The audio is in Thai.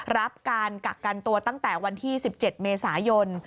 รับการกักกันตัวตั้งแต่วันที่๑๗เมษายน